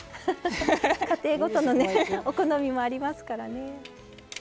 家庭ごとのねお好みもありますからね。